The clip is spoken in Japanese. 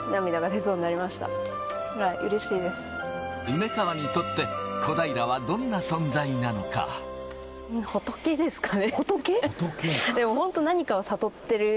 梅川にとって、小平はどんな存在なのか。